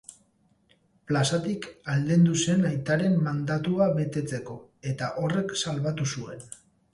Plazatik aldendu zen aitaren mandatua betetzeko, eta horrek salbatu zuen.